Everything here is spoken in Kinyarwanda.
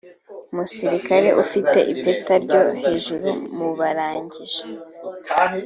umusirikare ufite ipeta ryo hejuru mu barangije